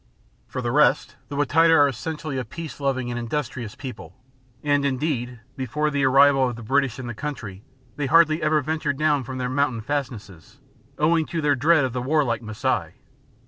For the rest, the Wa Taita are essentially a peace loving and industrious people; and, indeed, before the arrival of the British in the country, they hardly ever ventured down from their mountain fastnesses, owing to their dread of the warlike Masai.